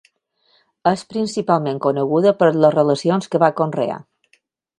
És principalment coneguda per les relacions que va conrear.